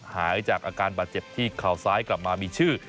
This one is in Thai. หายจากอาการบาดเจ็บที่เข่าซ้ายกลับมามีชื่อ